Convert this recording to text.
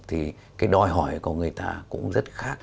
thì cái đòi hỏi của người ta cũng rất khác